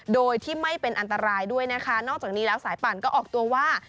โดยที่ไม่เป็นอันตรายด้วยนะคะนอกจากนี้แล้วสายปั่นก็ออกตัวว่า